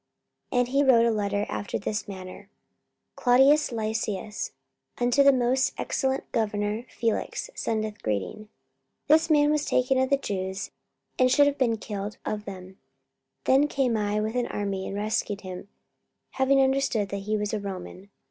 44:023:025 And he wrote a letter after this manner: 44:023:026 Claudius Lysias unto the most excellent governor Felix sendeth greeting. 44:023:027 This man was taken of the Jews, and should have been killed of them: then came I with an army, and rescued him, having understood that he was a Roman.